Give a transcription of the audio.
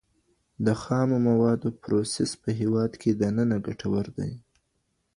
د خامو موادو پروسس په هیواد کي دننه ګټور دی.